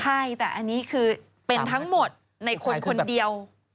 ใช่แต่อันนี้คือเป็นทั้งหมดในคนคนเดียว